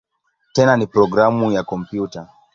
Tena ni programu ya kompyuta.